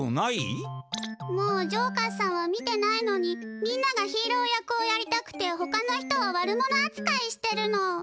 もうジョーカスさんは見てないのにみんながヒーロー役をやりたくてほかの人を悪者あつかいしてるの。